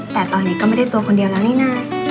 แต่ตอนนี้ก็ไม่ได้ตัวคนเดียวแล้วนี่นะ